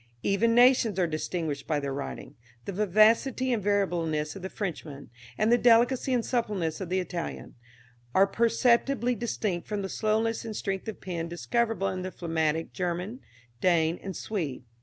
Even nations are distinguished by their writing; the vivacity and variableness of the Frenchman, and the delicacy and suppleness of the Italian, are perceptibly distinct from the slowness and strength of pen discoverable in the phlegmatic German, Dane, and Swede.